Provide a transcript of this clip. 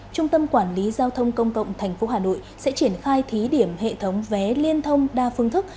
trung tâm quản lý giao thông công cộng tp hà nội sẽ triển khai thí điểm hệ thống vé liên thông đa phương thức